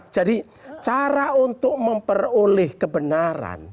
jadi cara untuk memperoleh kebenaran